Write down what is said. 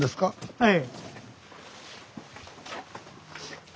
はい。